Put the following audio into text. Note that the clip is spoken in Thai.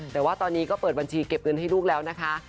แต่ว่าตอนนี้ก็เปิดบัญชีเก็บเงินให้ลูกแล้วนะคะ